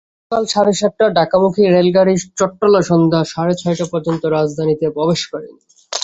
সকাল সাড়ে সাতটার ঢাকামুখী রেলগাড়ি চট্টলা সন্ধ্যা সাড়ে ছয়টা পর্যন্ত রাজধানীতে প্রবেশ করেনি।